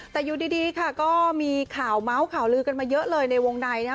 แต่อยู่ดีค่ะก็มีข่าวเมาส์ข่าวลือกันมาเยอะเลยในวงในนะครับ